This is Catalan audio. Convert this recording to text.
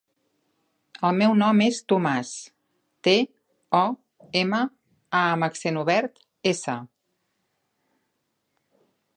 El meu nom és Tomàs: te, o, ema, a amb accent obert, essa.